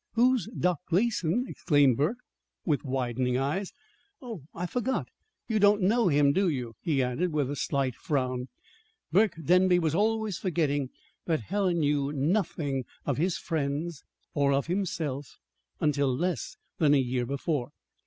Who's Doc Gleason!" exclaimed Burke, with widening eyes. "Oh, I forgot. You don't know him, do you?" he added, with a slight frown. Burke Denby was always forgetting that Helen knew nothing of his friends or of himself until less than a year before.